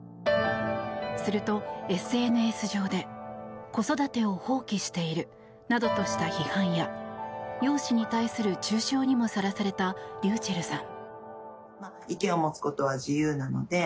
すると、ＳＮＳ上で子育てを放棄しているなどとした批判や容姿に対する中傷にもさらされたｒｙｕｃｈｅｌｌさん。